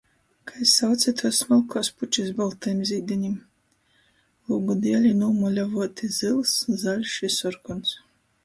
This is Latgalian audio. Kai sauce tuos smolkuos pučis boltajim zīdenim? Lūgu dieli nūmaļavuoti, zyls, zaļš i sorkons.